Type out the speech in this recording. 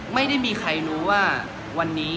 ไม่มีใครรู้ว่าวันนี้